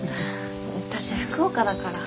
私福岡だから。